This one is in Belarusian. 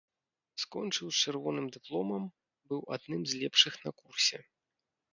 Скончыў з чырвоным дыпломам, быў адным з лепшых на курсе.